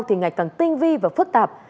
thì ngày càng tinh vi và phức tạp